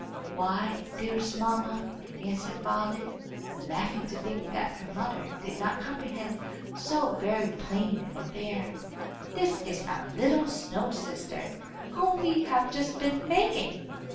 "Why, dearest mamma," answered Violet, laughing to think that her mother did not comprehend so very plain an affair, "this is our little snow sister, whom we have just been making!"